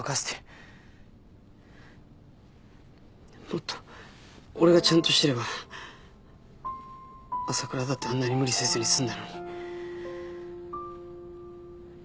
もっと俺がちゃんとしてれば朝倉だってあんなに無理せずに済んだのに。